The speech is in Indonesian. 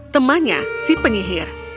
temannya si penyihir